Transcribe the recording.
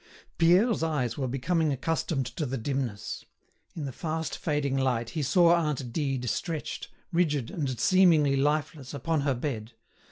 Pierre's eyes were becoming accustomed to the dimness. In the fast fading light he saw aunt Dide stretched, rigid and seemingly lifeless, upon her bed.